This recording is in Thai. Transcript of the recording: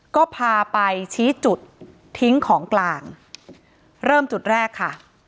ก็พาไปชี้จุดทิ้งของกลางเริ่มจุดแรกค่ะ